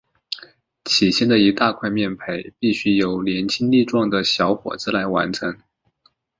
起先的一大块面培必须由年轻力壮的小伙子来完成。